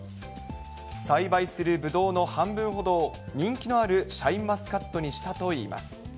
栽培するブドウの半分ほどを、人気のあるシャインマスカットにしたといいます。